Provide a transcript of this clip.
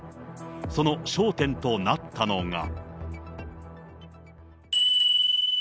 その焦点となったのが。